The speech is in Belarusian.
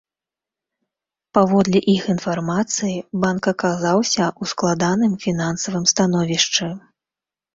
Паводле іх інфармацыі, банк аказаўся ў складаным фінансавым становішчы.